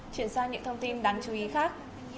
chuyển sang những thông tin đáng chú ý khác